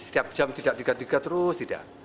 jadi setiap jam tidak tiga puluh tiga terus tidak